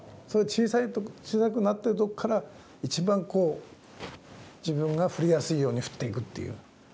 その小さくなってるとこから一番自分が振りやすいように振っていくっていう。